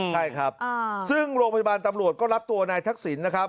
ใช่ครับซึ่งโรงพยาบาลตำรวจก็รับตัวนายทักษิณนะครับ